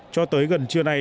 cho tới gần trưa nay